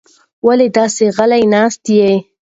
ولې داسې غلې ناسته یې؟